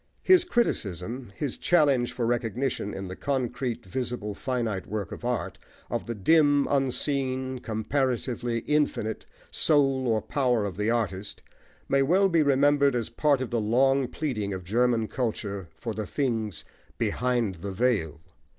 His criticism, his challenge for recognition in the concrete, visible, finite work of art, of the dim, unseen, comparatively infinite, soul or power of the artist, may well be remembered as part of the long pleading of German culture for the things "behind the veil."